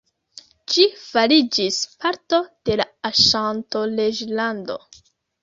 Ĝi fariĝis parto de la Aŝanto-Reĝlando.